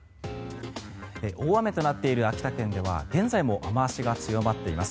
大雨となっている秋田県では現在も雨脚が強まっています。